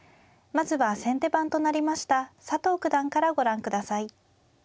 まずは先手番となりました佐藤九段からご覧下さい。